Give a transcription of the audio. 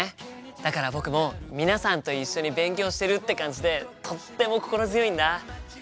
だから僕も皆さんと一緒に勉強してるって感じでとっても心強いんだ。